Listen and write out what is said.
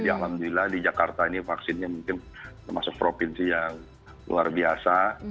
alhamdulillah di jakarta ini vaksinnya mungkin termasuk provinsi yang luar biasa